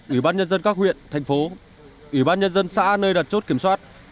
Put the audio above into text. ủy ban nhân dân các huyện thành phố ủy ban nhân dân xã nơi đặt chốt kiểm soát